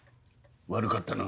悪かったな。